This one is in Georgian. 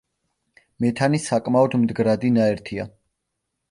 მეთანი საკმაოდ მდგრადი ნაერთია.